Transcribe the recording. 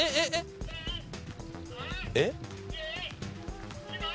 えっ？